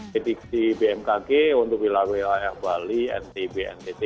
prediksi bmkg untuk wilayah wilayah bali ntb ntt